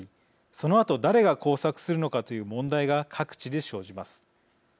そのあと、誰が耕作するのかという問題が各地で生じます。